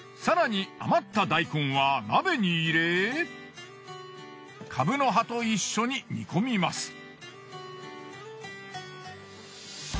更に余った大根は鍋に入れカブの葉と一緒に煮込みます。